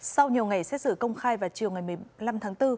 sau nhiều ngày xét xử công khai vào chiều ngày một mươi năm tháng bốn